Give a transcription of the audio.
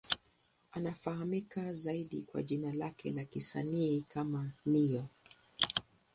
Anafahamika zaidi kwa jina lake la kisanii kama Ne-Yo.